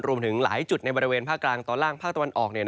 รวมถึงหลายจุดในบริเวณภาคกลางตอนล่างภาคตะวันออก